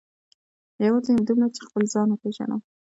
یوازې همدومره چې خپل ځان وپېژنم.